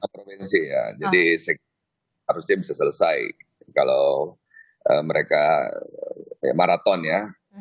provinsi ya jadi harusnya bisa selesai kalau mereka kayak maraton ya